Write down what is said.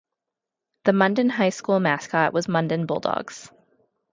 The Munden High School mascot was Munden Bulldogs.